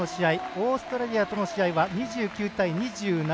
オーストラリアとの試合は２９対２７。